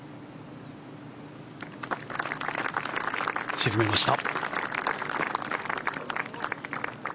沈めました。